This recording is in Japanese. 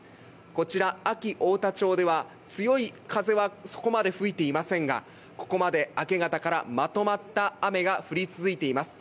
こちら安芸太田町では強い風はそこまで吹いていませんがここまで明け方からまとまった雨が降り続いています。